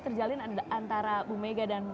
terjalin antara bu mega dan